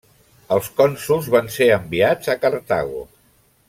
Els cònsols van ser enviats a Cartago.